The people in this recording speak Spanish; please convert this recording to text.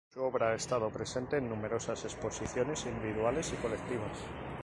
Su obra ha estado presente en numerosas exposiciones individuales y colectivas.